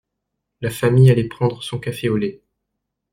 La famille allait prendre son café au lait.